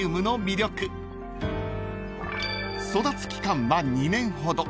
［育つ期間は２年ほど］